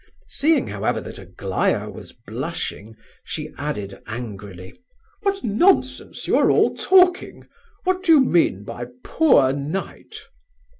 Seeing, however, that Aglaya was blushing, she added, angrily: "What nonsense you are all talking! What do you mean by poor knight?"